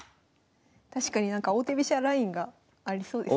確かになんか王手飛車ラインがありそうですね。